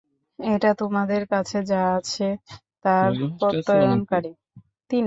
এটা তোমাদের কাছে যা আছে তার প্রত্যয়নকারী।